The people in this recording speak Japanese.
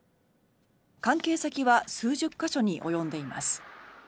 関係先は数十か所に及んでいます。